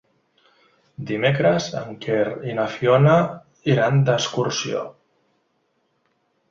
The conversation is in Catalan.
Dimecres en Quer i na Fiona iran d'excursió.